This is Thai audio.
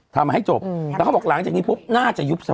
ทำให้จบแล้วเขาบอกหลังจากนี้ปุ๊บน่าจะยุบสภา